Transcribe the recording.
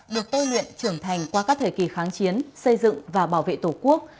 được tôi luyện trưởng thành qua các thời kỳ kháng chiến xây dựng và bảo vệ tổ quốc